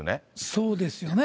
そうですよね、